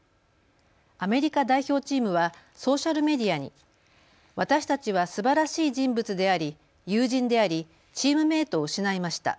アメリカ代表チームはソーシャルメディアに私たちはすばらしい人物であり友人でありチームメートを失いました。